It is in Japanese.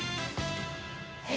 え。